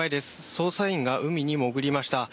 捜査員が海に潜りました。